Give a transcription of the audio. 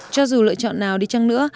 cho dù lựa chọn nào đi chăng nữa